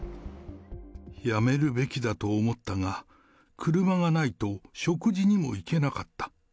やめるべきだと思ったが、車がないと食事にも行けなかった。